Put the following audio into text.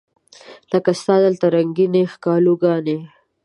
لکه ستا دلته رنګینې ښکالو ګانې